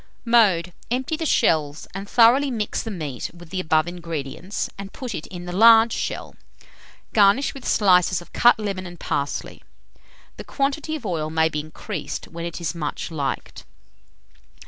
Mode. Empty the shells, and thoroughly mix the meat with the above ingredients, and put it in the large shell. Garnish with slices of cut lemon and parsley. The quantity of oil may be increased when it is much liked.